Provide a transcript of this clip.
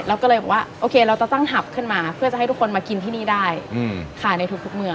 เราก็เลยบอกว่าโอเคเราจะตั้งหับขึ้นมาเพื่อจะให้ทุกคนมากินที่นี่ได้ขายในทุกเมือง